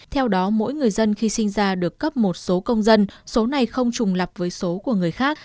theo đó mỗi người dân khi sinh ra được cấp một số công dân số này không trùng lập với số của người khác